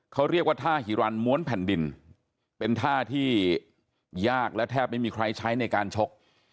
เขาเรียกว่าท่าฮิรันม้วนแผ่นดินเป็นท่าที่ยากและแทบไม่มีใครใช้ในการชก